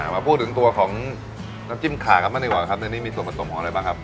มาพูดถึงตัวของน้ำจิ้มขานะนี่มีส่วนผสมหอมอะไรบ้างครับ